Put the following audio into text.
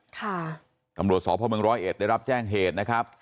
ตำรวจสพเมืองร้อยเอ็ดได้รับแจ้งเหตุนะครับ